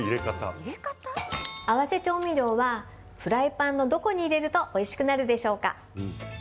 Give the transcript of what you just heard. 合わせ調味料はフライパンのどこに入れるとおいしくなるでしょうか？